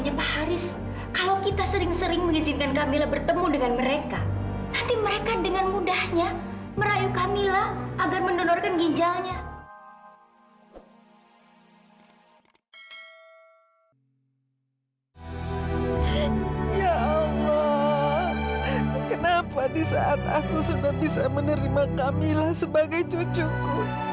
ya allah kenapa di saat aku sudah bisa menerima kamilah sebagai cucuku